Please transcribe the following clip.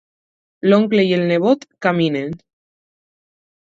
L'oncle i el nebot caminen.